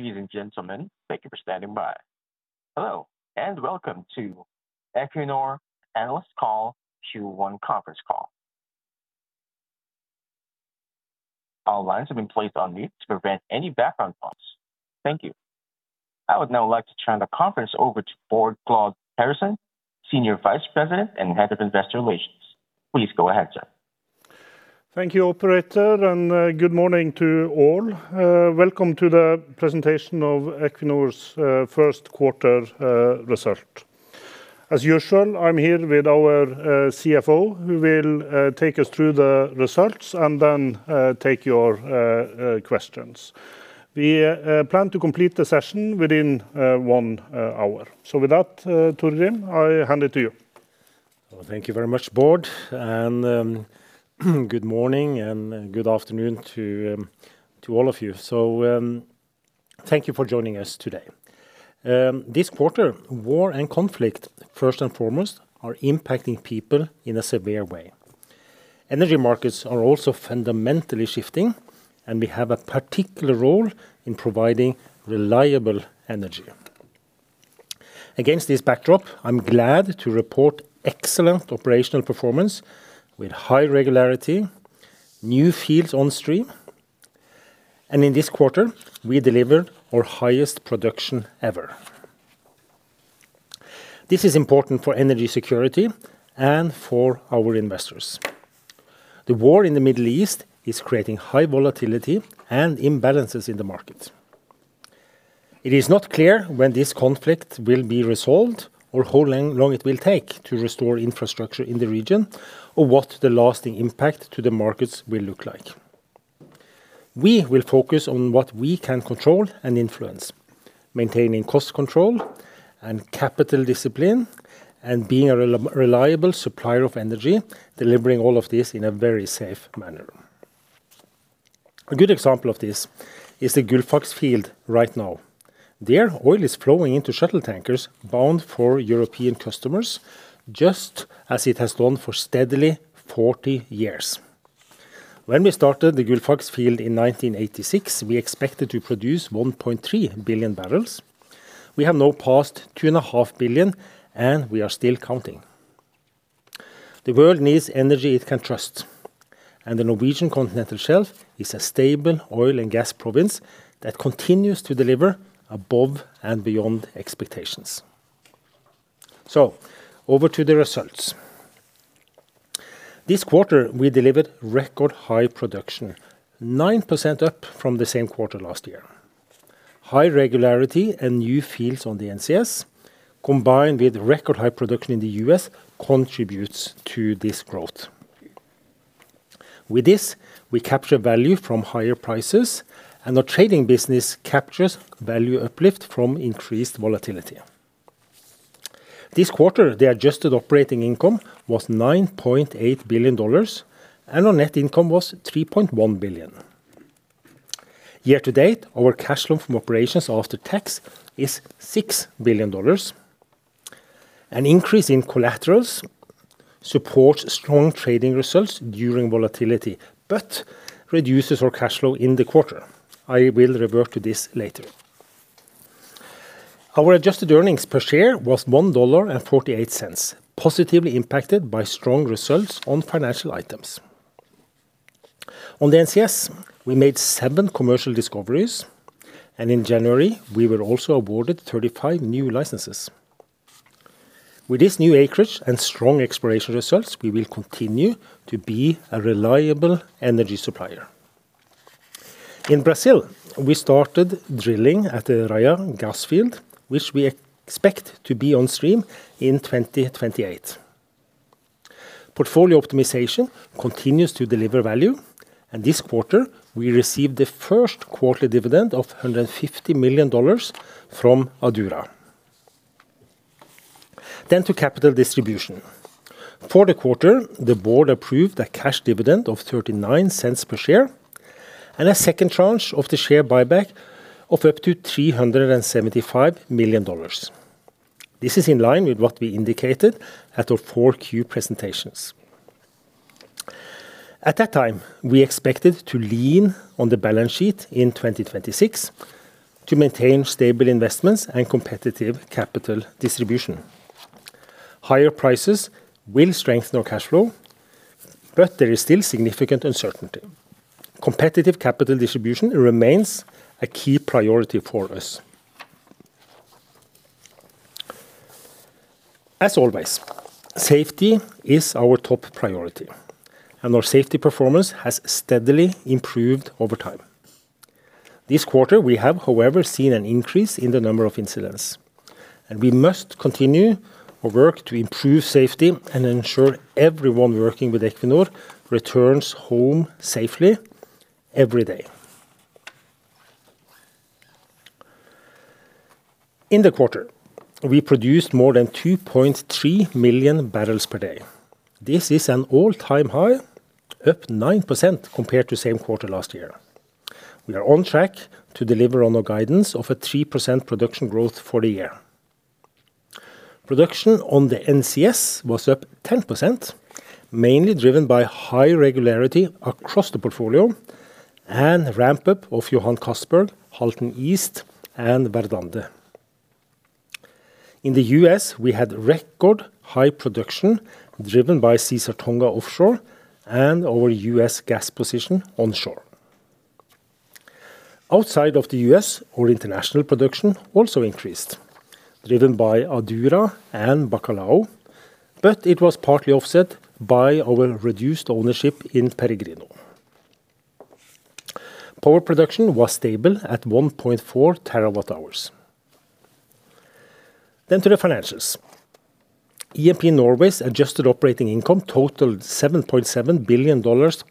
Ladies and gentlemen, thank you for standing by. Hello, welcome to Equinor Analyst Call, Q1 conference call. I would now like to turn the conference over to Bård Glad Pedersen, Senior Vice President and Head of Investor Relations. Please go ahead, sir. Thank you, operator. Good morning to all. Welcome to the presentation of Equinor's first quarter result. As usual, I'm here with our CFO, who will take us through the results and then take your questions. We plan to complete the session within one hour. With that, Torgrim, I hand it to you. Well, thank you very much, Bård, and good morning and good afternoon to all of you. Thank you for joining us today. This quarter, war and conflict, first and foremost, are impacting people in a severe way. Energy markets are also fundamentally shifting, and we have a particular role in providing reliable energy. Against this backdrop, I'm glad to report excellent operational performance with high regularity, new fields on stream, and in this quarter, we delivered our highest production ever. This is important for energy security and for our investors. The war in the Middle East is creating high volatility and imbalances in the market. It is not clear when this conflict will be resolved or how long it will take to restore infrastructure in the region, or what the lasting impact to the markets will look like. We will focus on what we can control and influence, maintaining cost control and capital discipline and being a reliable supplier of energy, delivering all of this in a very safe manner. A good example of this is the Gullfaks field right now. Their oil is flowing into shuttle tankers bound for European customers just as it has done for steadily 40 years. When we started the Gullfaks field in 1986, we expected to produce 1.3 billion barrels. We have now passed 2.5 billion, and we are still counting. The world needs energy it can trust, the Norwegian continental shelf is a stable oil and gas province that continues to deliver above and beyond expectations. Over to the results. This quarter, we delivered record high production, 9% up from the same quarter last year. High regularity and new fields on the NCS, combined with record high production in the U.S., contributes to this growth. With this, we capture value from higher prices and our trading business captures value uplift from increased volatility. This quarter, the adjusted operating income was $9.8 billion, and our net income was $3.1 billion. Year-to-date, our cash flow from operations after tax is $6 billion. An increase in collaterals supports strong trading results during volatility, but reduces our cash flow in the quarter. I will revert to this later. Our adjusted earnings per share was $1.48, positively impacted by strong results on financial items. On the NCS, we made seven commercial discoveries, and in January, we were also awarded 35 new licenses. With this new acreage and strong exploration results, we will continue to be a reliable energy supplier. In Brazil, we started drilling at the Raia gas field, which we expect to be on stream in 2028. Portfolio optimization continues to deliver value, and this quarter we received the first quarterly dividend of $150 million from Adura. To capital distribution. For the quarter, the board approved a cash dividend of $0.39 per share and a second tranche of the share buyback of up to $375 million. This is in line with what we indicated at our Q4 presentations. At that time, we expected to lean on the balance sheet in 2026 to maintain stable investments and competitive capital distribution. Higher prices will strengthen our cash flow, but there is still significant uncertainty. Competitive capital distribution remains a key priority for us. As always, safety is our top priority, and our safety performance has steadily improved over time. This quarter, we have, however, seen an increase in the number of incidents, and we must continue our work to improve safety and ensure everyone working with Equinor returns home safely every day. In the quarter, we produced more than 2.3 million bbl per day. This is an all-time high, up 9% compared to same quarter last year. We are on track to deliver on our guidance of a 3% production growth for the year. Production on the NCS was up 10%, mainly driven by high regularity across the portfolio and ramp up of Johan Castberg, Halten East, and Verdande. In the U.S., we had record high production driven by Caesar Tonga offshore and our U.S. gas position onshore. Outside of the U.S., our international production also increased, driven by Adura and Bacalhau, but it was partly offset by our reduced ownership in Peregrino. Power production was stable at 1.4 TWh. And in the financials. E&P Norway's adjusted operating income totaled $7.7 billion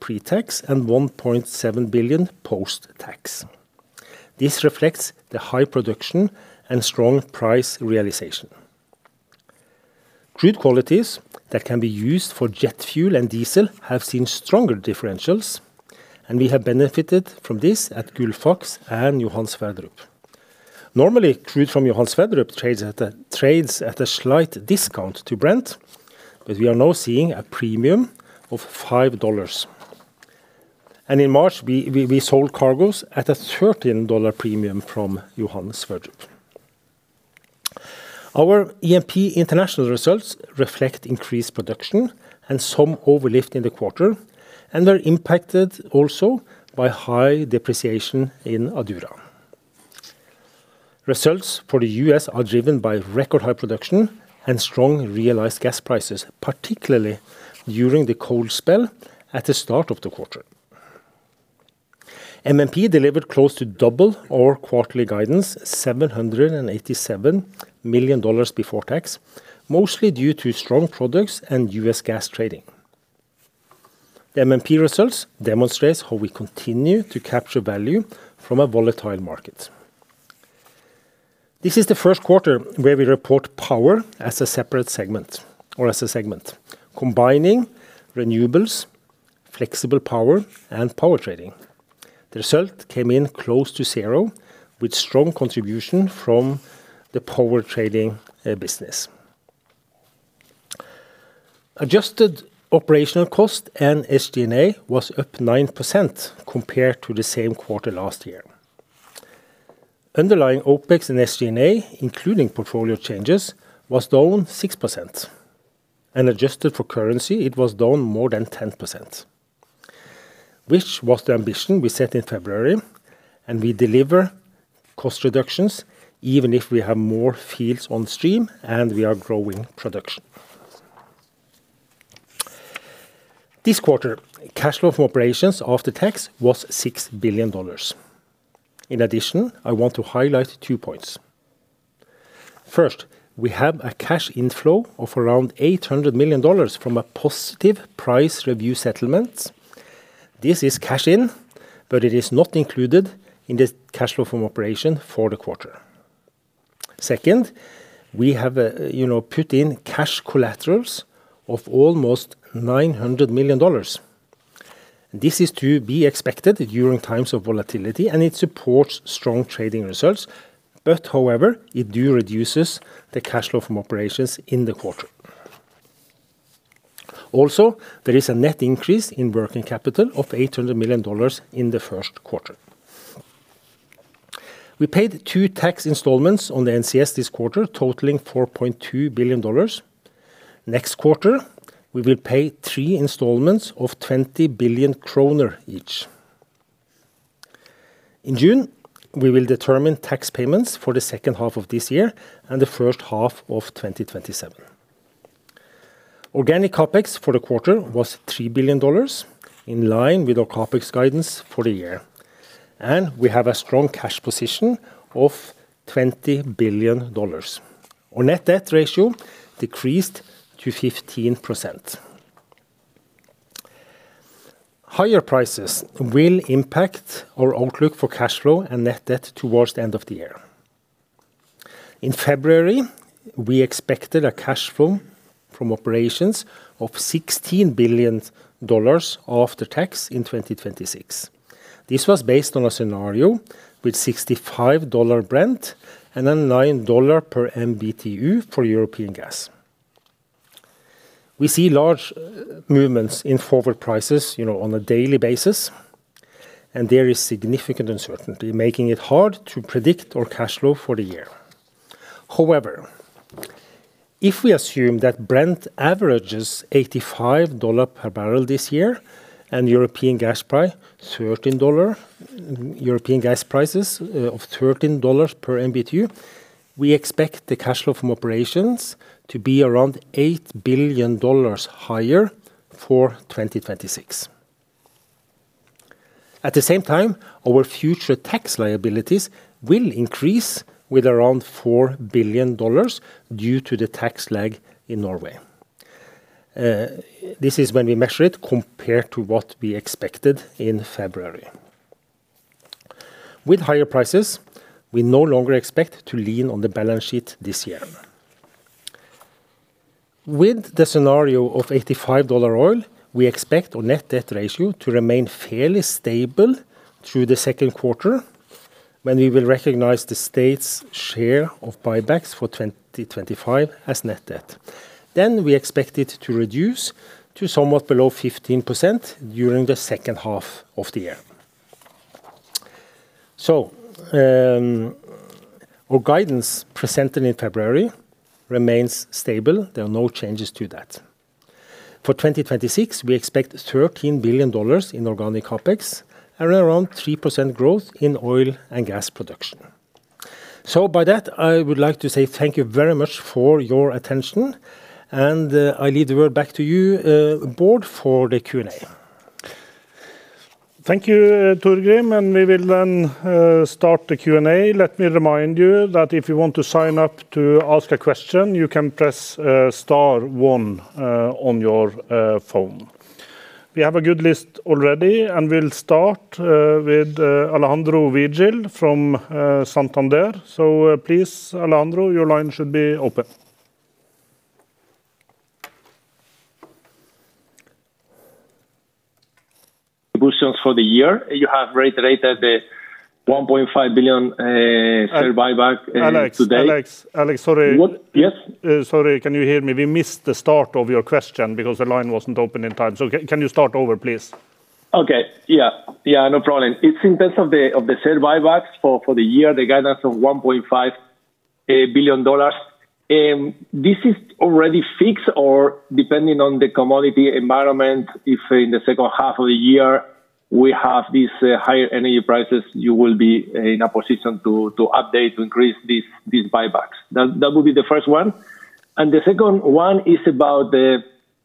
pre-tax and $1.7 billion post-tax. This reflects the high production and strong price realization. Crude qualities that can be used for jet fuel and diesel have seen stronger differentials, and we have benefited from this at Gullfaks and Johan Sverdrup. Normally, crude from Johan Sverdrup trades at a slight discount to Brent, but we are now seeing a premium of $5. In March, we sold cargoes at a $13 premium from Johan Sverdrup. Our E&P International results reflect increased production and some overlift in the quarter and are impacted also by high depreciation in Adura. Results for the U.S. are driven by record high production and strong realized gas prices, particularly during the cold spell at the start of the quarter. MMP delivered close to double our quarterly guidance, $787 million before tax, mostly due to strong products and U.S. gas trading. The MMP results demonstrates how we continue to capture value from a volatile market. This is the first quarter where we report power as a separate segment or as a segment, combining renewables, flexible power, and power trading. The result came in close to zero, with strong contribution from the power trading business. Adjusted operational cost and SG&A was up 9% compared to the same quarter last year. Underlying OpEx and SG&A, including portfolio changes, was down 6%. Adjusted for currency, it was down more than 10%, which was the ambition we set in February. We deliver cost reductions even if we have more fields on stream and we are growing production. This quarter, cash flow from operations after tax was $6 billion. In addition, I want to highlight two points. First, we have a cash inflow of around $800 million from a positive price review settlement. This is cash in, but it is not included in the cash flow from operation for the quarter. Second, we have, you know, put in cash collaterals of almost $900 million. This is to be expected during times of volatility. It supports strong trading results. However, it do reduces the cash flow from operations in the quarter. There is a net increase in working capital of $800 million in the first quarter. We paid two tax installments on the NCS this quarter, totaling $4.2 billion. Next quarter, we will pay three installments of 20 billion kroner each. In June, we will determine tax payments for the second half of this year and the first half of 2027. Organic CapEx for the quarter was $3 billion, in line with our CapEx guidance for the year. We have a strong cash position of $20 billion. Our net debt ratio decreased to 15%. Higher prices will impact our outlook for cash flow and net debt towards the end of the year. In February, we expected a cash flow from operations of $16 billion after tax in 2026. This was based on a scenario with $65 Brent and a $9 per MMBtu for European gas. We see large movements in forward prices, you know, on a daily basis, and there is significant uncertainty, making it hard to predict our cash flow for the year. However, if we assume that Brent averages $85 per bbl this year and European gas prices of $13 per MMBtu, we expect the cash flow from operations to be around $8 billion higher for 2026. At the same time, our future tax liabilities will increase with around $4 billion due to the tax lag in Norway. This is when we measure it compared to what we expected in February. With higher prices, we no longer expect to lean on the balance sheet this year. With the scenario of $85 oil, we expect our net debt ratio to remain fairly stable through the second quarter when we will recognize the state's share of buybacks for 2025 as net debt. We expect it to reduce to somewhat below 15% during the second half of the year. Our guidance presented in February remains stable. There are no changes to that. For 2026, we expect $13 billion in organic CapEx and around 3% growth in oil and gas production. By that, I would like to say thank you very much for your attention, and I leave the word back to you, Bård, for the Q&A. Thank you, Torgrim. We will then start the Q&A. Let me remind you that if you want to sign up to ask a question, you can press star one on your phone. We have a good list already. We'll start with Alejandro Vigil from Santander. Please, Alejandro, your line should be open. Questions for the year. You have reiterated the 1.5 billion share buyback today. Alex, Alex. Sorry. What? Yes. Sorry, can you hear me? We missed the start of your question because the line wasn't open in time. Can you start over, please? Okay. Yeah. Yeah, no problem. It's in terms of the share buybacks for the year, the guidance of $1.5 billion. This is already fixed or depending on the commodity environment, if in the second half of the year we have these higher energy prices, you will be in a position to update, to increase these buybacks. That would be the first one. The second one is about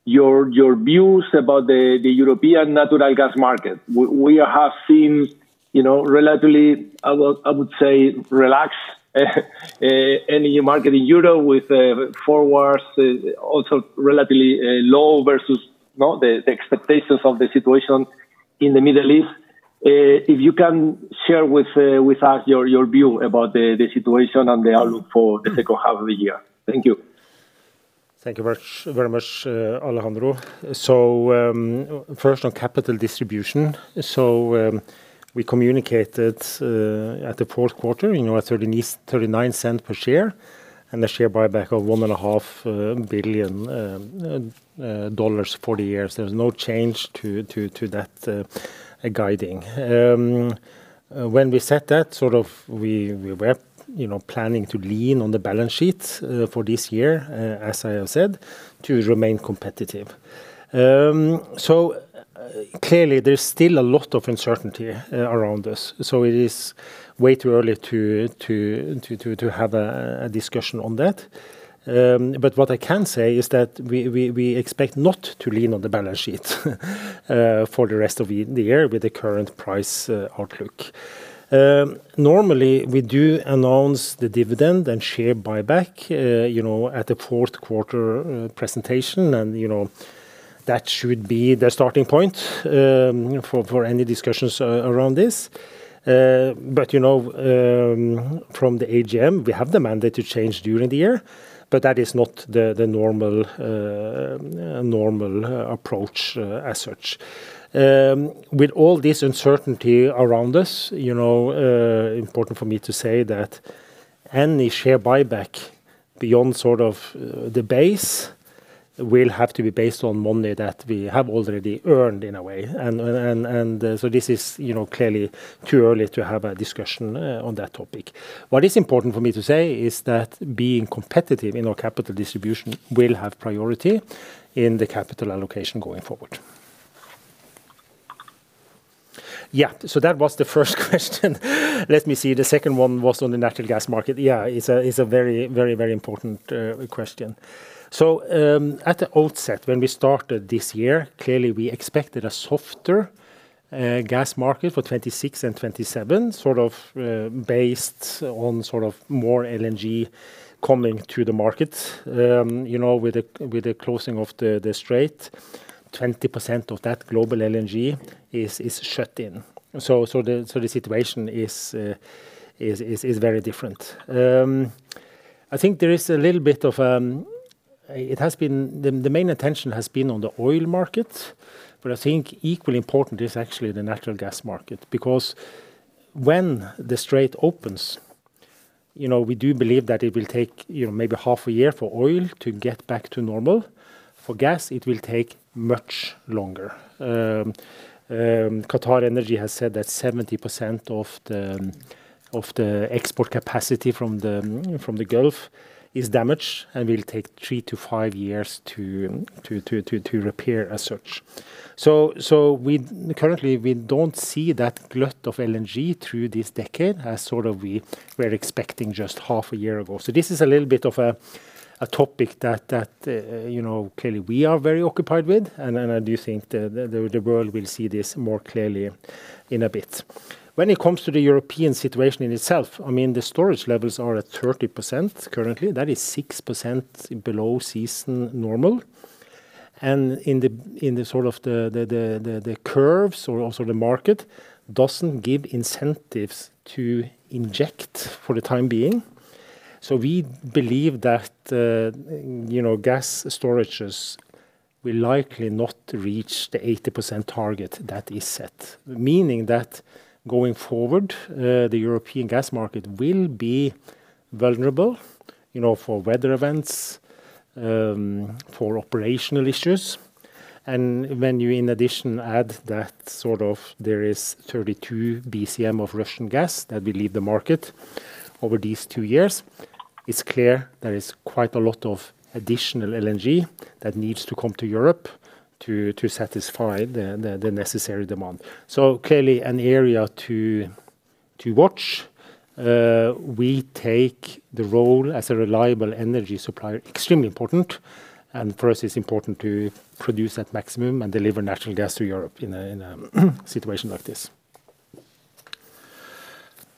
your views about the European natural gas market. We have seen, you know, relatively, I would say, relaxed energy market in Euro with forwards also relatively low versus, you know, the expectations of the situation in the Middle East. If you can share with us your view about the situation and the outlook for the second half of the year. Thank you. Thank you very, very much, Alejandro. First on capital distribution. We communicated at the fourth quarter, you know, a $0.39 per share and a share buyback of $1.5 billion for the years. There's no change to that guiding. When we set that sort of we were, you know, planning to lean on the balance sheet for this year, as I have said, to remain competitive. Clearly there's still a lot of uncertainty around this, so it is way too early to have a discussion on that. What I can say is that we expect not to lean on the balance sheet for the rest of the year with the current price outlook. Normally we do announce the dividend and share buyback, you know, at the fourth quarter presentation and, you know, that should be the starting point for any discussions around this. From the AGM, we have the mandate to change during the year, but that is not the normal approach as such. With all this uncertainty around us, you know, important for me to say that any share buyback beyond sort of the base will have to be based on money that we have already earned in a way. This is, you know, clearly too early to have a discussion on that topic. What is important for me to say is that being competitive in our capital distribution will have priority in the capital allocation going forward. That was the first question. Let me see. The second one was on the natural gas market. Yeah, it's a very important question. At the outset, when we started this year, clearly we expected a softer gas market for 2026 and 2027, based on more LNG coming to the market. You know, with the closing of the Strait, 20% of that global LNG is shut in. The situation is very different. The main attention has been on the oil market, but I think equally important is actually the natural gas market because when the Strait of Hormuz opens, you know, we do believe that it will take, you know, maybe half a year for oil to get back to normal. For gas, it will take much longer. QatarEnergy has said that 70% of the export capacity from the Gulf is damaged and will take three to five years to repair as such. We currently we don't see that glut of LNG through this decade as sort of we were expecting just half a year ago. This is a little bit of a topic that, you know, clearly we are very occupied with. I do think the world will see this more clearly in a bit. When it comes to the European situation in itself, I mean, the storage levels are at 30% currently. That is 6% below season normal. In the sort of the curves or also the market doesn't give incentives to inject for the time being. We believe that, you know, gas storages will likely not reach the 80% target that is set. Meaning that going forward, the European gas market will be vulnerable, you know, for weather events, for operational issues. When you, in addition, add that sort of there is 32 BCM of Russian gas that will leave the market over these two years, it's clear there is quite a lot of additional LNG that needs to come to Europe to satisfy the necessary demand. Clearly an area to watch. We take the role as a reliable energy supplier extremely important, for us it's important to produce at maximum and deliver natural gas to Europe in a situation like this.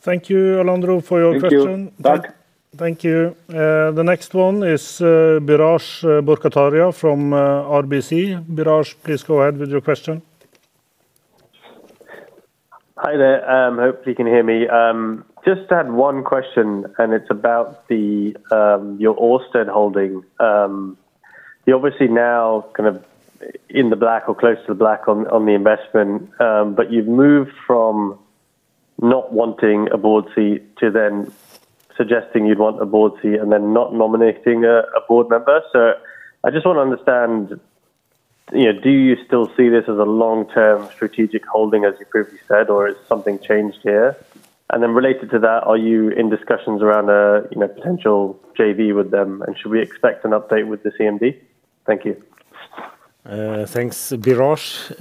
Thank you, Alejandro Vigil, for your question. Thank you. Bye. Thank you. The next one is Biraj Borkhataria from RBC. Biraj, please go ahead with your question. Hi there. Hopefully you can hear me. Just had one question, and it's about your Ørsted holding. You're obviously now kind of in the black or close to the black on the investment, you've moved from not wanting a board seat to then suggesting you'd want a board seat and then not nominating a board member. I just want to understand, you know, do you still see this as a long-term strategic holding, as you previously said, or has something changed here? Then related to that, are you in discussions around a, you know, potential JV with them? Should we expect an update with the CMD? Thank you. Thanks, Biraj.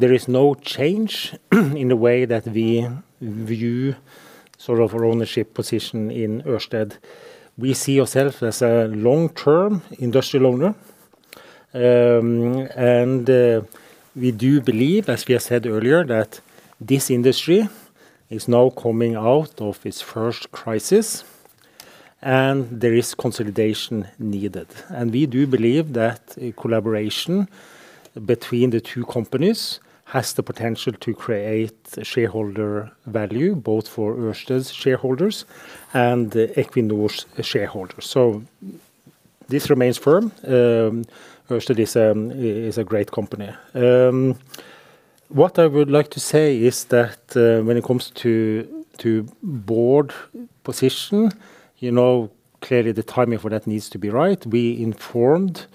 There is no change in the way that we view sort of our ownership position in Ørsted. We see ourself as a long-term industrial owner. We do believe, as we have said earlier, that this industry is now coming out of its first crisis, and there is consolidation needed. We do believe that a collaboration between the two companies has the potential to create shareholder value, both for Ørsted's shareholders and Equinor's shareholders. This remains firm. Ørsted is a great company. What I would like to say is that when it comes to board position, you know, clearly the timing for that needs to be right. We informed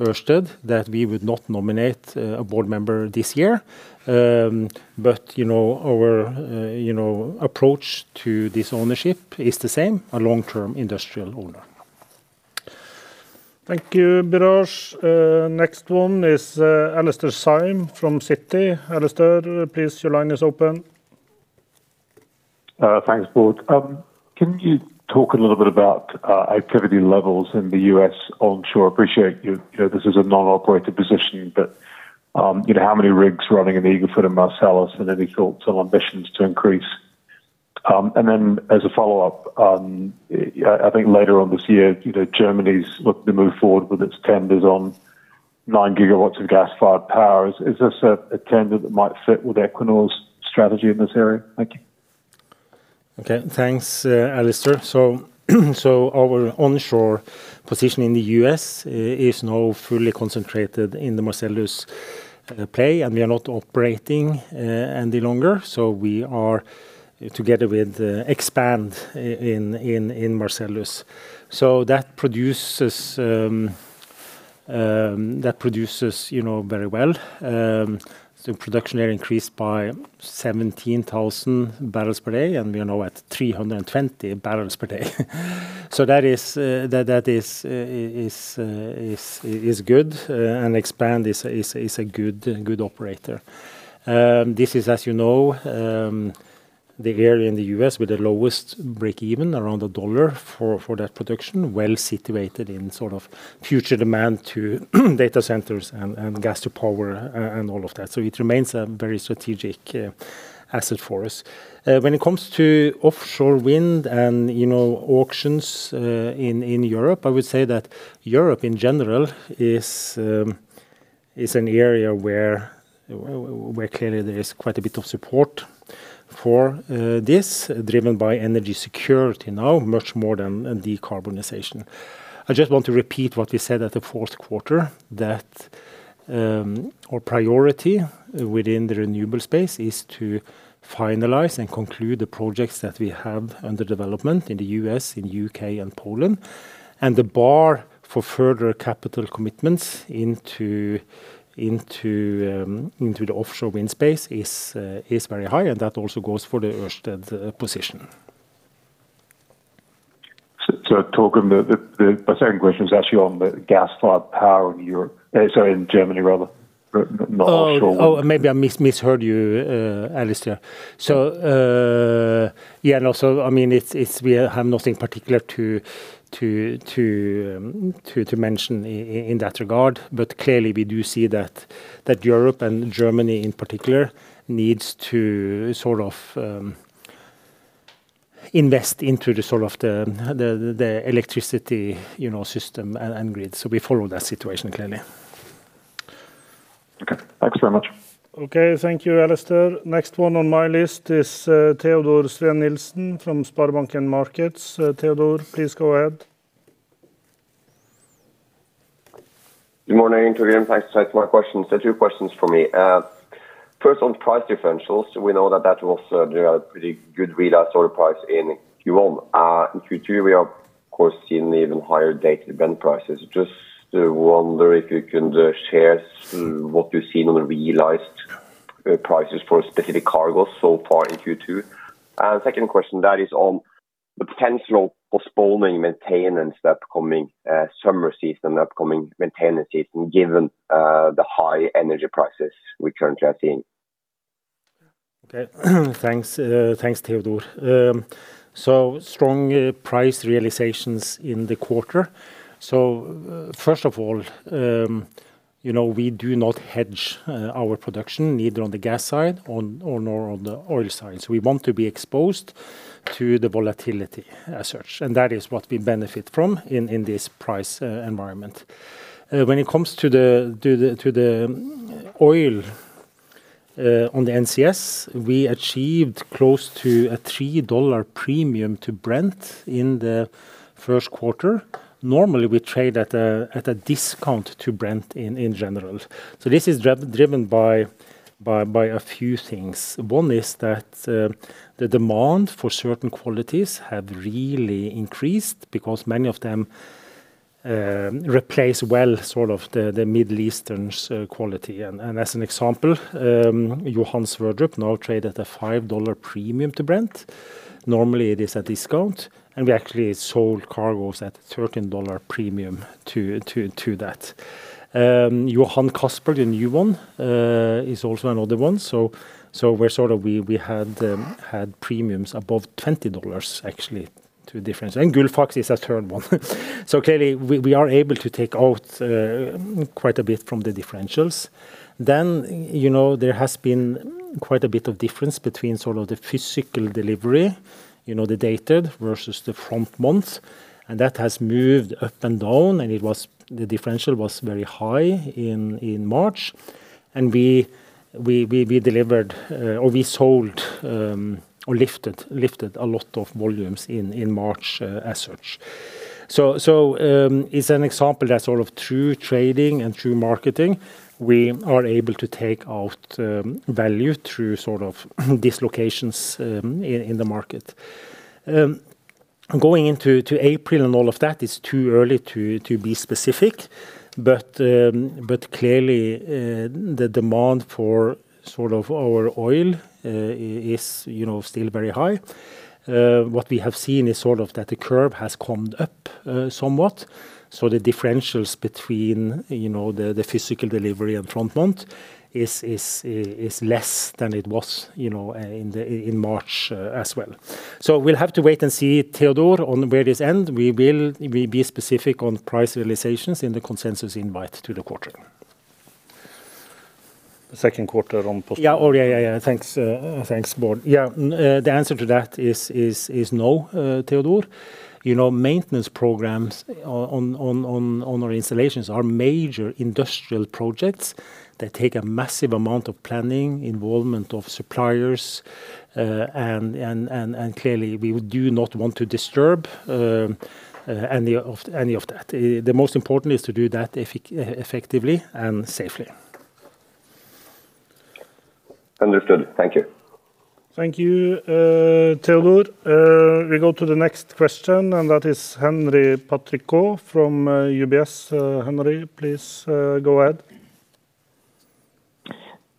Ørsted that we would not nominate a board member this year. You know, our, you know, approach to this ownership is the same, a long-term industrial owner. Thank you, Biraj. Next one is Alastair Syme from Citi. Alastair, please, your line is open. Thanks both. Can you talk a little bit about activity levels in the U.S. onshore? Appreciate you know, this is a non-operated position, but, you know, how many rigs running in Eagle Ford and Marcellus, and any thoughts on ambitions to increase? Then as a follow-up, I think later on this year, you know, Germany's looking to move forward with its tenders on 9 GW of gas-fired power. Is this a tender that might fit with Equinor's strategy in this area? Thank you. Okay. Thanks, Alastair. Our onshore position in the U.S. is now fully concentrated in the Marcellus play, and we are not operating any longer. We are together with EQT in Marcellus. That produces, you know, very well. Production there increased by 17,000 bbl per day, and we are now at 320 bbl per day. That is good, and EQT is a good operator. This is, as you know, the area in the U.S. with the lowest break even, around $1 for that production, well situated in sort of future demand to data centers and gas to power and all of that. It remains a very strategic asset for us. When it comes to offshore wind and, you know, auctions in Europe, I would say that Europe in general is an area where clearly there is quite a bit of support for this, driven by energy security now much more than decarbonization. I just want to repeat what we said at the fourth quarter, that our priority within the renewable space is to finalize and conclude the projects that we have under development in the U.S., in U.K. and Poland. The bar for further capital commitments into the offshore wind space is very high, and that also goes for the Ørsted position. Talking. My second question is actually on the gas-fired power in Europe, sorry, in Germany, rather, but not offshore wind. Maybe I misheard you, Alastair. Yeah, no, I mean, we have nothing particular to mention in that regard. Clearly we do see that Europe and Germany in particular needs to sort of invest into the sort of the electricity, you know, system and grid. We follow that situation clearly. Okay. Thanks very much. Okay, thank you, Alastair. Next one on my list is Teodor Sveen-Nilsen from SpareBank 1 Markets. Teodor, please go ahead. Good morning to you, and thanks for taking my questions. Two questions from me. First on price differentials. We know that that was, you know, a pretty good realized oil price in Q1. In Q2, we have, of course, seen even higher dated Brent prices. Just wonder if you can share what you've seen on the realized prices for specific cargoes so far in Q2. Second question, that is on the potential postponing maintenance the upcoming summer season, the upcoming maintenance season, given the high energy prices we currently are seeing. Thanks, Teodor. Strong price realizations in the quarter. First of all, you know, we do not hedge our production, neither on the gas side or nor on the oil side. We want to be exposed to the volatility as such, and that is what we benefit from in this price environment. When it comes to the oil on the NCS, we achieved close to a $3 premium to Brent in the first quarter. Normally, we trade at a discount to Brent in general. This is driven by a few things. One is that the demand for certain qualities have really increased because many of them replace well sort of the Middle Eastern quality. As an example, Johan Sverdrup now trade at a $5 premium to Brent. Normally, it is a discount. We actually sold cargoes at $13 premium to that. Johan Castberg, the new one, is also another one. We're sort of we had premiums above $20 actually to difference. Gullfaks is a third one. Clearly we are able to take out quite a bit from the differentials. You know, there has been quite a bit of difference between sort of the physical delivery, you know, the dated versus the front month, and that has moved up and down, the differential was very high in March. We delivered or we sold or lifted a lot of volumes in March as such. It's an example that sort of through trading and through marketing, we are able to take out value through sort of dislocations in the market. Going into April and all of that, it's too early to be specific, but clearly, the demand for sort of our oil is, you know, still very high. What we have seen is sort of that the curve has calmed up somewhat. The differentials between, you know, the physical delivery and front month is less than it was, you know, in March as well. We'll have to wait and see, Teodor, on where this end. We will be specific on price realizations in the consensus invite to the quarter. The second quarter one. Yeah. Oh, yeah, yeah. Thanks, thanks, Bård. Yeah. The answer to that is no, Teodor. You know, maintenance programs on our installations are major industrial projects that take a massive amount of planning, involvement of suppliers. Clearly, we do not want to disturb any of that. The most important is to do that effectively and safely. Understood. Thank you. Thank you, Teodor Sveen-Nilsen. We go to the next question, and that is Henri Patricot from UBS. Henri, please, go ahead.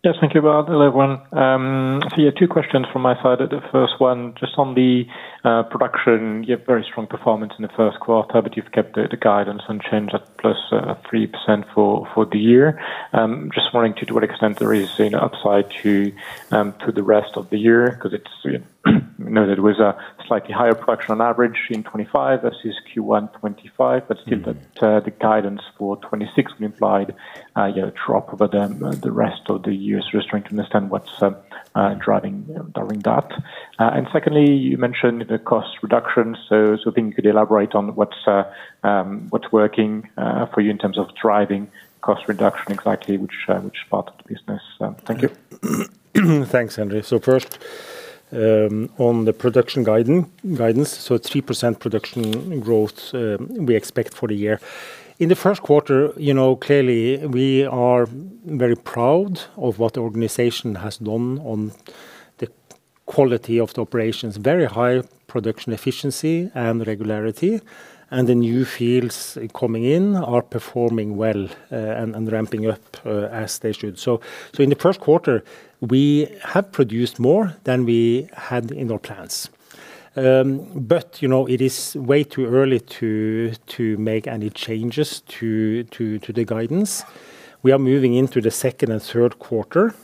Yes. Thank you, Bård. Hello, everyone. Two questions from my side. The first one, just on the production, you have very strong performance in the first quarter, but you've kept the guidance unchanged at plus 3% for the year. Just wondering to what extent there is, you know, upside to the rest of the year because it's, you know that it was a slightly higher production on average in 2025 versus Q1 2025. Still the guidance for 2026 implied, you know, drop over the rest of the year. Just trying to understand what's driving that. Secondly, you mentioned the cost reduction. Thinking you could elaborate on what's working for you in terms of driving cost reduction, exactly which part of the business. Thank you. Thanks, Henri. First, on the production guidance, 3% production growth, we expect for the year. In the first quarter, you know, clearly we are very proud of what the organization has done on the quality of the operations. Very high production efficiency and regularity, and the new fields coming in are performing well, and ramping up as they should. In the first quarter, we have produced more than we had in our plans. But, you know, it is way too early to make any changes to the guidance. We are moving into the second and third quarter,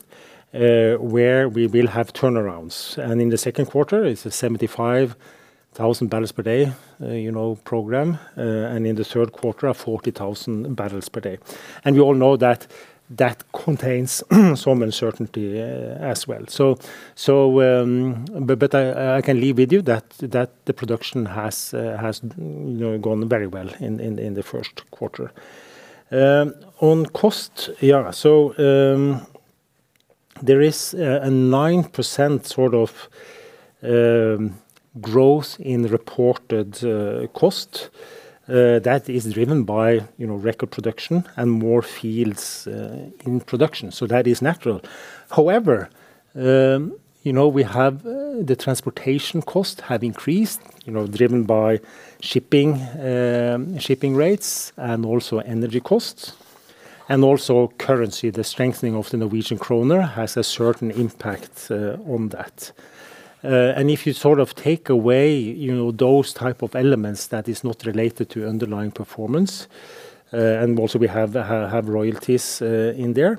where we will have turnarounds. In the second quarter it's a 75,000 bbl per day, you know, program. In the third quarter, a 40,000 bbl per day. We all know that that contains some uncertainty as well. I can leave with you that the production has, you know, gone very well in the first quarter. On cost, there is a 9% growth in reported cost that is driven by, you know, record production and more fields in production. That is natural. However, you know, we have the transportation costs have increased, you know, driven by shipping rates and also energy costs, and also currency. The strengthening of the Norwegian kroner has a certain impact on that. If you sort of take away, you know, those type of elements that is not related to underlying performance, and also we have royalties in there,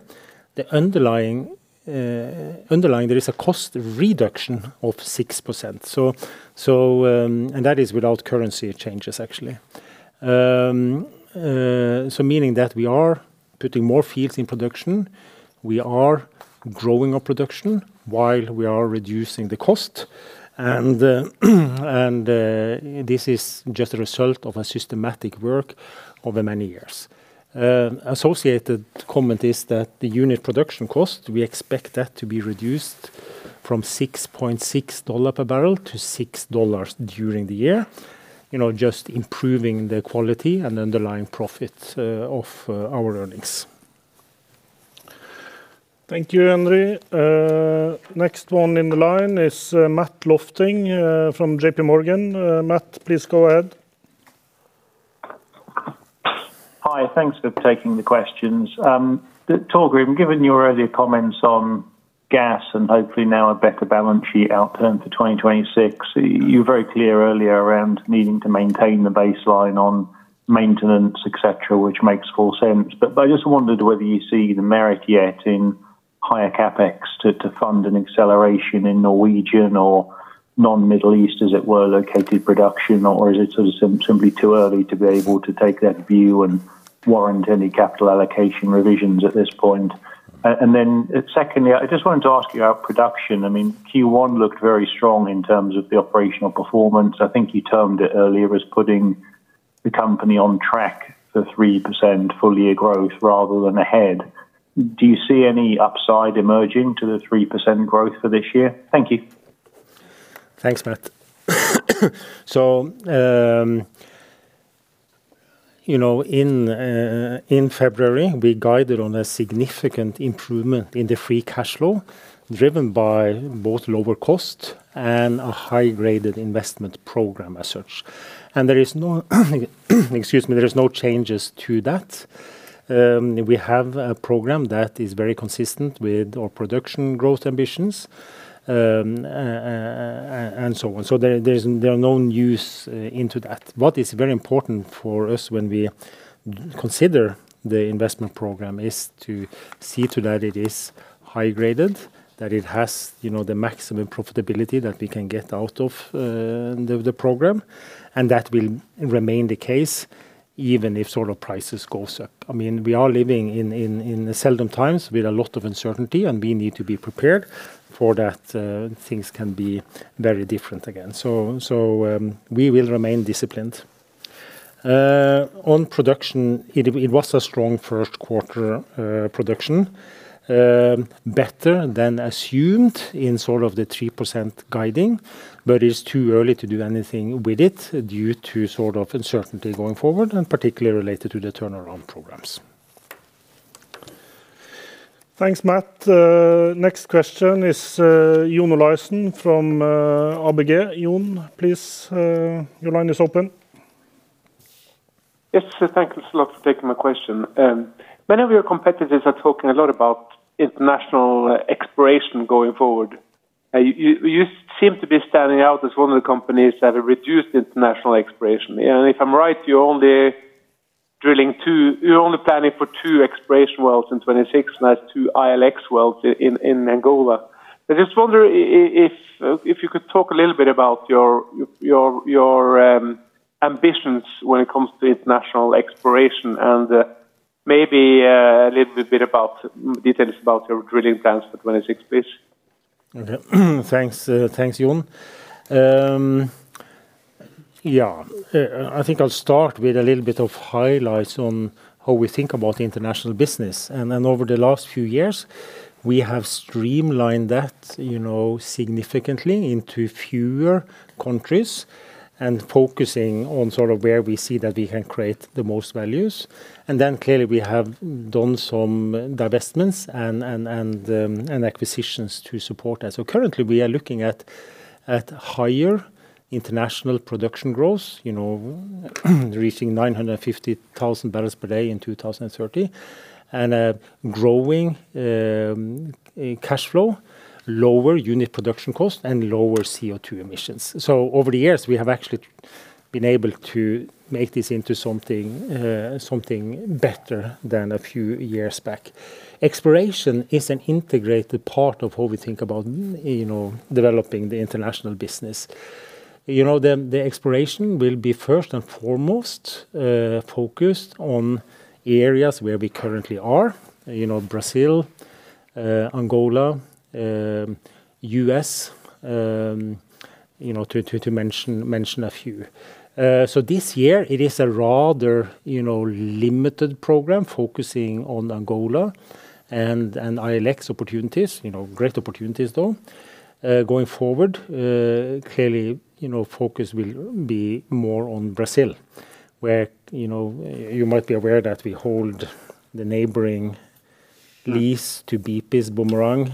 the underlying there is a cost reduction of 6%. That is without currency changes actually. Meaning that we are putting more fields in production, we are growing our production while we are reducing the cost. This is just a result of a systematic work over many years. Associated comment is that the unit production cost, we expect that to be reduced from $6.6 per bbl to $6 during the year. You know, just improving the quality and underlying profit of our earnings. Thank you, Henri. Next one in the line is Matt Lofting, from JPMorgan. Matt, please go ahead. Hi. Thanks for taking the questions. Torgrim, given your earlier comments on gas and hopefully now a better balance sheet outcome for 2026, you were very clear earlier around needing to maintain the baseline on maintenance, et cetera, which makes full sense. I just wondered whether you see the merit yet in higher CapEx to fund an acceleration in Norwegian or non-Middle East, as it were, located production, or is it simply too early to be able to take that view and warrant any capital allocation revisions at this point? Then secondly, I just wanted to ask you about production. I mean, Q1 looked very strong in terms of the operational performance. I think you termed it earlier as putting the company on track for 3% full year growth rather than ahead. Do you see any upside emerging to the 3% growth for this year? Thank you. Thanks, Matt. You know, in February, we guided on a significant improvement in the free cash flow, driven by both lower cost and a high-graded investment program as such. There is no, excuse me, there is no changes to that. We have a program that is very consistent with our production growth ambitions and so on. There are no news into that. What is very important for us when we consider the investment program is to see to that it is high-graded, that it has, you know, the maximum profitability that we can get out of the program, and that will remain the case even if sort of prices goes up. I mean, we are living in seldom times with a lot of uncertainty. We need to be prepared for that, things can be very different again. We will remain disciplined. On production, it was a strong first quarter production, better than assumed in sort of the 3% guiding. It's too early to do anything with it due to sort of uncertainty going forward and particularly related to the turnaround programs. Thanks, Matt. Next question is John Olaisen from ABG. John, please, your line is open. Thank you so much for taking my question. Many of your competitors are talking a lot about international exploration going forward. You seem to be standing out as one of the companies that have reduced international exploration. If I'm right, you're only planning for two exploration wells in 2026, and that's two ILX wells in Angola. I just wonder if you could talk a little bit about your ambitions when it comes to international exploration and maybe a little bit about details about your drilling plans for 2026, please. Okay. Thanks, John. Yeah, I think I'll start with a little bit of highlights on how we think about international business. Over the last few years, we have streamlined that, you know, significantly into fewer countries and focusing on sort of where we see that we can create the most values. Clearly, we have done some divestments and acquisitions to support that. Currently, we are looking at higher international production growth, you know, reaching 950,000 bbl per day in 2030, and a growing cash flow, lower unit production cost, and lower CO2 emissions. Over the years, we have actually been able to make this into something better than a few years back. Exploration is an integrated part of how we think about, you know, developing the international business. You know, the exploration will be first and foremost focused on areas where we currently are, you know, Brazil, Angola, U.S., to mention a few. This year it is a rather, you know, limited program focusing on Angola and ILX opportunities, you know, great opportunities though. Going forward, clearly, you know, focus will be more on Brazil, where, you know, you might be aware that we hold the neighboring lease to BP's Bumerangue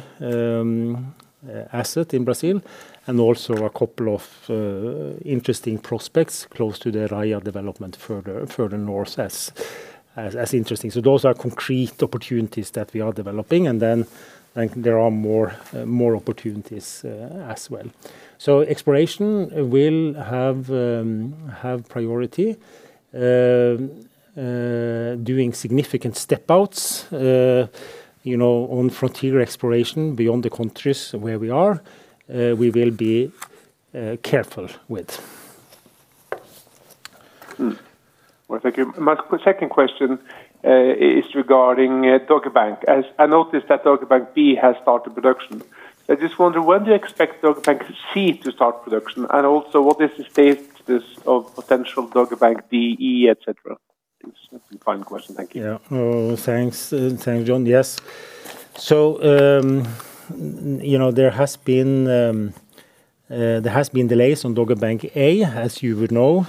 asset in Brazil, and also a couple of interesting prospects close to the Raia development further north as interesting. Those are concrete opportunities that we are developing, and then, like, there are more opportunities as well. Exploration will have priority. Doing significant step-outs, you know, on frontier exploration beyond the countries where we are, we will be careful with. Well, thank you. My second question is regarding Dogger Bank, as I noticed that Dogger Bank B has started production. I just wonder when do you expect Dogger Bank C to start production, and also what is the status of potential Dogger Bank D, E, et cetera? It is a fine question. Thank you. Thanks, John. Yes. You know, there has been delays on Dogger Bank A, as you would know.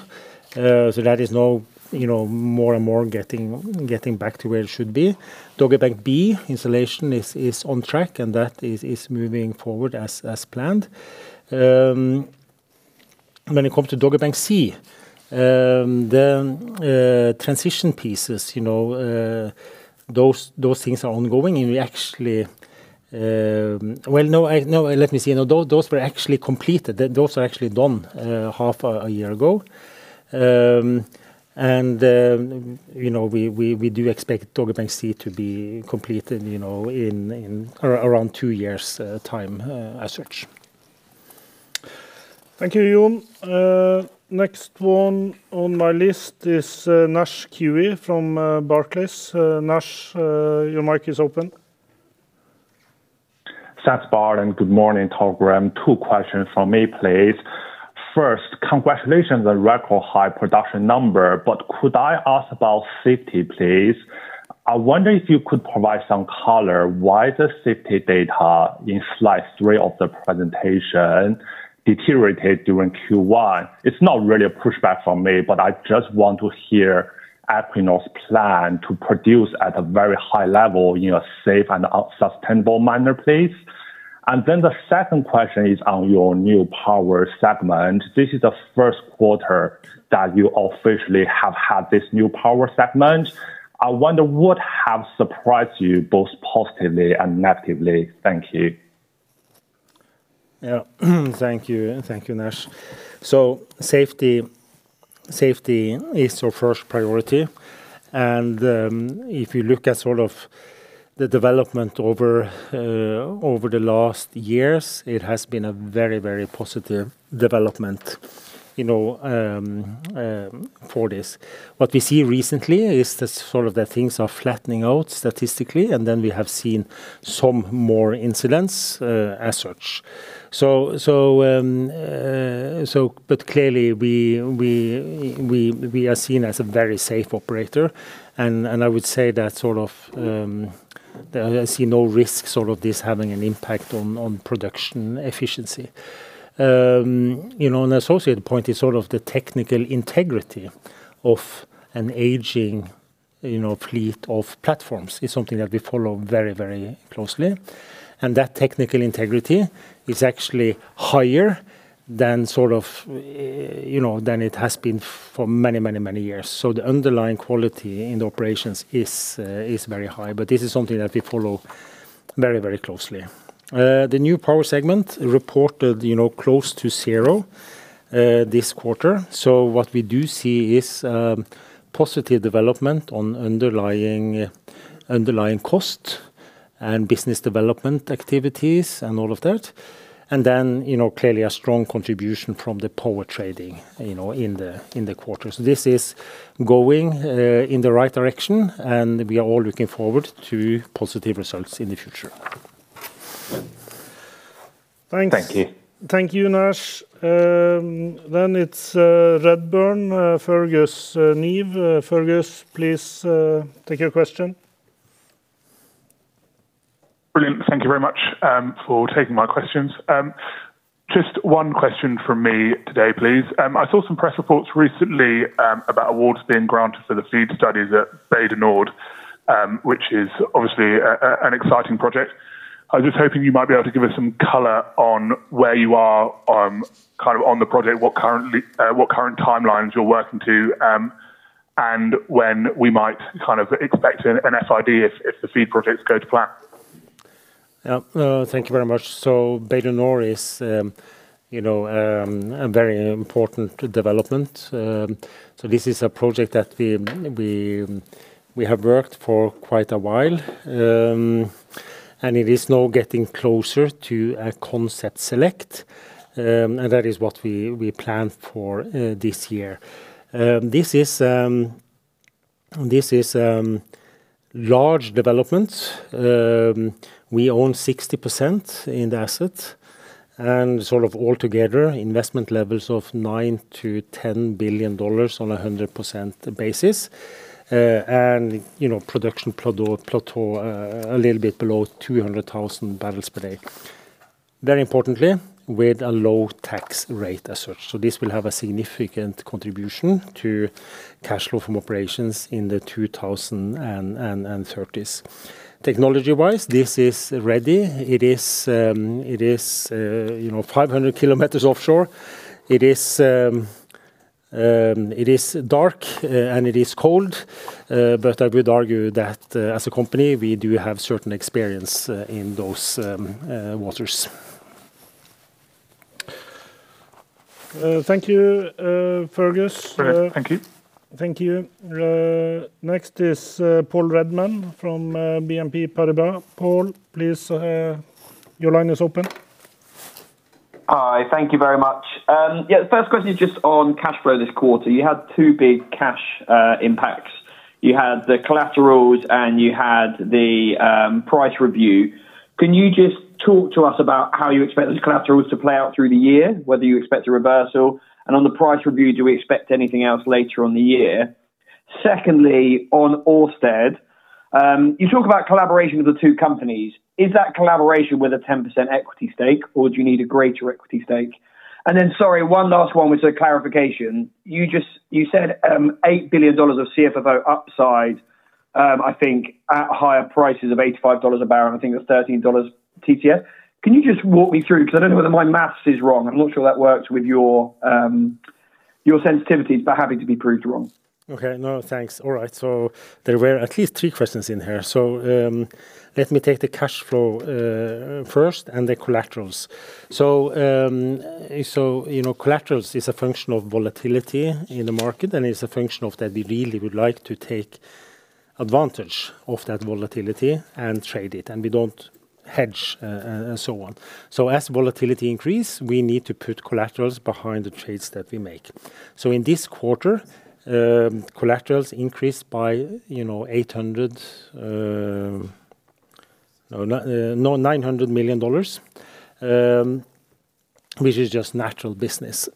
That is now, you know, more and more getting back to where it should be. Dogger Bank B installation is on track, that is moving forward as planned. When it comes to Dogger Bank C, the transition pieces, you know, those things are ongoing. Those were actually completed. Those are actually done half a year ago. You know, we do expect Dogger Bank C to be completed, you know, around two years time as such. Thank you, John. Next one on my list is Naish Cui from Barclays. Naish, your mic is open. Thanks, Bård, and good morning, Torgrim. Two questions from me, please. First, congratulations on record high production number, but could I ask about safety, please? I wonder if you could provide some color why the safety data in slide three of the presentation deteriorated during Q1. It's not really a pushback from me, but I just want to hear Equinor's plan to produce at a very high level in a safe and sustainable manner, please. The second question is on your new power segment. This is the first quarter that you officially have had this new power segment. I wonder what have surprised you both positively and negatively. Thank you. Thank you. Thank you, Naish. Safety is our first priority, and if you look at sort of the development over the last years, it has been a very, very positive development, you know, for this. What we see recently is the sort of the things are flattening out statistically, and then we have seen some more incidents as such. But clearly we are seen as a very safe operator and I would say that sort of that I see no risks sort of this having an impact on production efficiency. You know, an associated point is sort of the technical integrity of an aging, you know, fleet of platforms is something that we follow very, very closely, and that technical integrity is actually higher than sort of, you know, than it has been for many years. The underlying quality in the operations is very high, but this is something that we follow very, very closely. The new power segment reported, you know, close to zero this quarter. What we do see is positive development on underlying cost and business development activities and all of that. Then, you know, clearly a strong contribution from the power trading, you know, in the quarter. This is going in the right direction, and we are all looking forward to positive results in the future. Thank you. Thanks. Thank you, Naish. It's Redburn, Fergus Neve. Fergus, please, take your question. Brilliant. Thank you very much for taking my questions. Just one question from me today, please. I saw some press reports recently about awards being granted for the FEED studies at Bay du Nord, which is obviously an exciting project. I was just hoping you might be able to give us some color on where you are kind of on the project, what currently, what current timelines you're working to, and when we might kind of expect an FID if the FEED projects go to plan. Thank you very much. Bay du Nord is, you know, a very important development. This is a project that we have worked for quite a while, and it is now getting closer to a concept select, and that is what we plan for this year. This is a large development. We own 60% in the asset and sort of all together investment levels of $9 billion-$10 billion on a 100% basis. You know, production plateau a little bit below 200,000 bbl per day. Very importantly, with a low tax rate as such. This will have a significant contribution to cash flow from operations in the 2030s. Technology-wise, this is ready. It is, you know, 500 km offshore. It is dark and it is cold. I would argue that as a company we do have certain experience in those waters. Thank you, Fergus. Great. Thank you. Thank you. Next is Paul Redman from BNP Paribas. Paul, please, your line is open. Hi. Thank you very much. First question is just on cash flow this quarter. You had two big cash impacts. You had the collaterals, you had the price review. Can you just talk to us about how you expect these collaterals to play out through the year, whether you expect a reversal? On the price review, do we expect anything else later on the year? Secondly, on Ørsted, you talk about collaboration with the two companies. Is that collaboration with a 10% equity stake, or do you need a greater equity stake? Sorry, one last one with a clarification. You said $8 billion of CFO upside, I think at higher prices of $85 a bbl, $13 TTF. Can you just walk me through? I don't know whether my math is wrong. I'm not sure that works with your sensitivities, but happy to be proved wrong. Okay. No, thanks. All right, there were at least three questions in here. Let me take the cash flow first and the collaterals. You know, collaterals is a function of volatility in the market, and it's a function of that we really would like to take advantage of that volatility and trade it, and we don't hedge and so on. As volatility increase, we need to put collaterals behind the trades that we make. In this quarter, collaterals increased by, you know, $900 million, which is just natural business.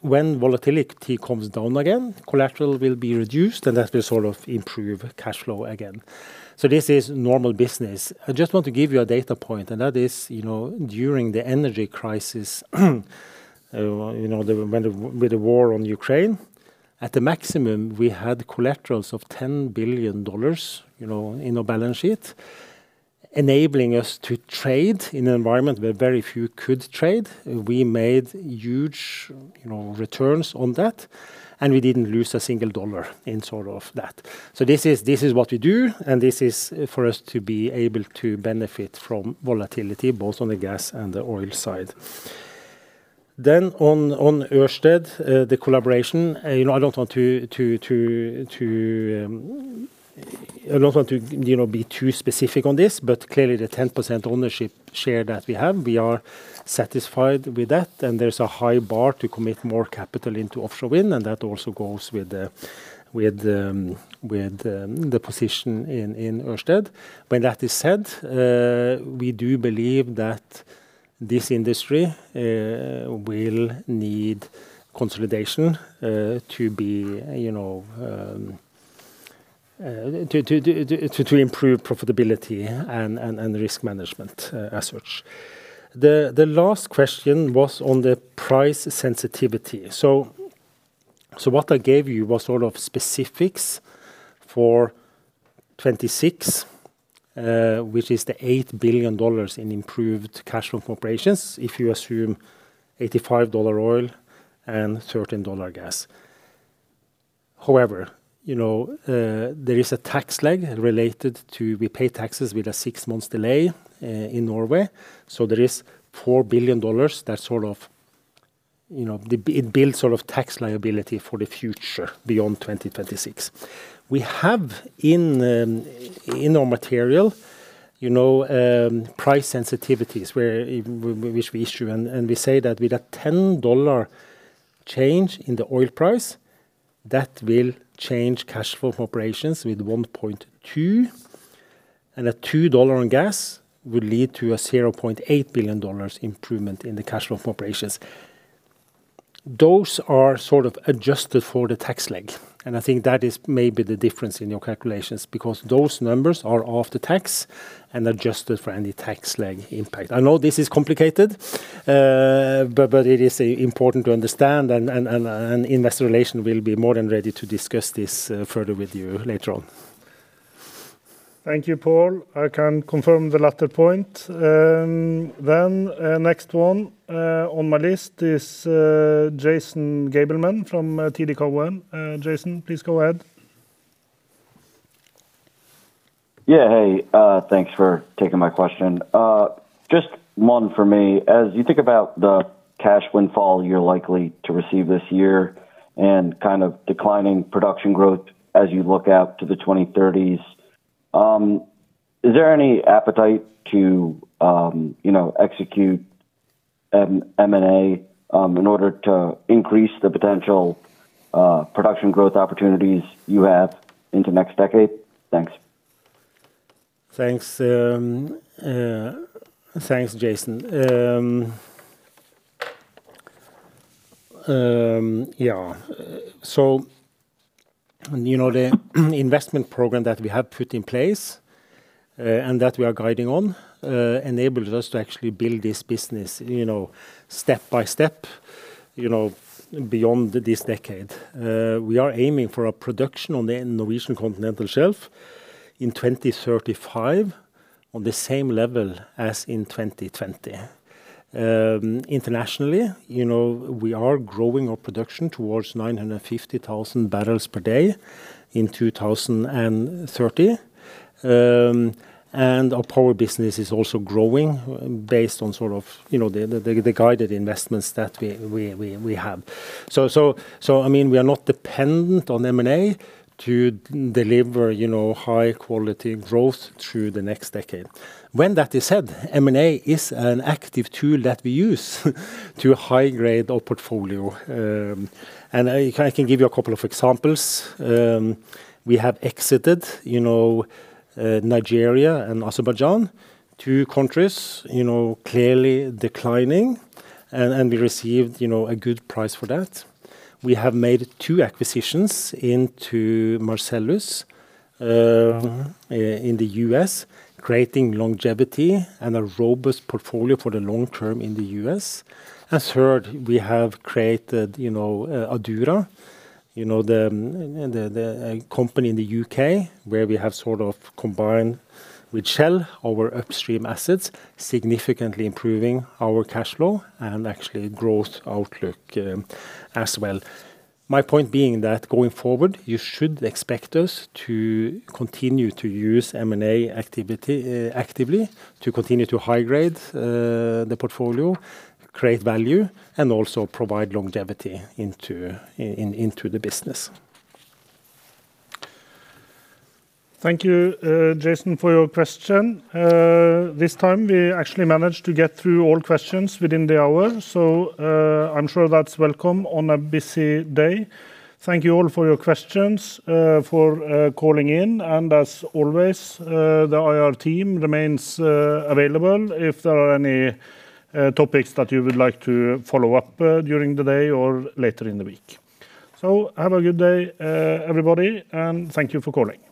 When volatility comes down again, collateral will be reduced, and that will sort of improve cash flow again. This is normal business. I just want to give you a data point, and that is, you know, during the energy crisis, you know, with the war on Ukraine, at the maximum, we had collaterals of $10 billion, you know, in our balance sheet, enabling us to trade in an environment where very few could trade. We made huge, you know, returns on that, and we didn't lose $1 in sort of that. This is what we do, and this is for us to be able to benefit from volatility both on the gas and the oil side. On Ørsted, the collaboration, you know, I don't want to, you know, be too specific on this, clearly the 10% ownership share that we have, we are satisfied with that, and there's a high bar to commit more capital into offshore wind, and that also goes with the position in Ørsted. When that is said, we do believe that this industry will need consolidation to be, you know, to improve profitability and risk management as such. The last question was on the price sensitivity. What I gave you was sort of specifics for 2026, which is the $8 billion in improved cash flow from operations if you assume $85 oil and $13 gas. However, you know, there is a tax lag related to we pay taxes with a six months delay in Norway. There is $4 billion that sort of, you know, it builds sort of tax liability for the future beyond 2026. We have in our material, you know, price sensitivities where, which we issue, and we say that with a $10 change in the oil price, that will change cash flow from operations with $1.2 billion, and a $2 on gas will lead to a $0.8 billion improvement in the cash flow from operations. Those are sort of adjusted for the tax lag. I think that is maybe the difference in your calculations because those numbers are after tax and adjusted for any tax lag impact. I know this is complicated, but it is important to understand and Investor Relations will be more than ready to discuss this further with you later on. Thank you, Paul. I can confirm the latter point. Next one on my list is Jason Gabelman from TD Cowen. Jason, please go ahead. Yeah. Hey, thanks for taking my question. Just one for me. As you think about the cash windfall you're likely to receive this year and kind of declining production growth as you look out to the 2030s, is there any appetite to, you know, M&A, in order to increase the potential production growth opportunities you have into next decade? Thanks. Thanks Jason. You know, the investment program that we have put in place and that we are guiding on enables us to actually build this business, you know, step by step, you know, beyond this decade. We are aiming for a production on the Norwegian Continental Shelf in 2035 on the same level as in 2020. Internationally, you know, we are growing our production towards 950,000 bbl per day in 2030. Our power business is also growing based on sort of, you know, the guided investments that we have. I mean, we are not dependent on M&A to deliver, you know, high quality growth through the next decade. When that is said, M&A is an active tool that we use to high grade our portfolio. And I can give you a couple of examples. We have exited, you know, Nigeria and Azerbaijan, two countries, you know, clearly declining and we received, you know, a good price for that. We have made two acquisitions into Marcellus, in the U.S., creating longevity and a robust portfolio for the long-term in the U.S. As heard, we have created, you know, Adura, you know, the company in the U.K. where we have sort of combined with Shell our upstream assets, significantly improving our cash flow and actually growth outlook as well. My point being that going forward, you should expect us to continue to use M&A activity, actively to continue to high grade the portfolio, create value, and also provide longevity into the business. Thank you, Jason, for your question. This time we actually managed to get through all questions within the hour, so I'm sure that's welcome on a busy day. Thank you all for your questions, for calling in. As always, the IR team remains available if there are any topics that you would like to follow up during the day or later in the week. Have a good day, everybody, and thank you for calling.